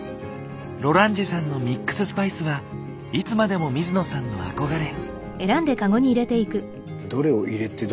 ロランジェさんのミックススパイスはいつまでも水野さんの憧れ。